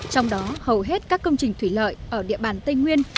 trong đó hầu hết các công trình thủy lợi ở địa bàn tây nguyên